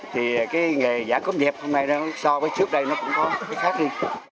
thì cái nghề giả công dẹp hôm nay so với trước đây nó cũng có cái khác đi